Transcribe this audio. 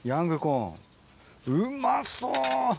うまそう！